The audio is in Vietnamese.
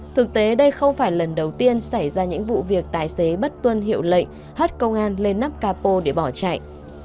thực tế đây không phải lần đầu tiên xảy ra những vụ việc tài xế bất tuân hiệu lệnh hất công an lên nắp capo để bỏ chạy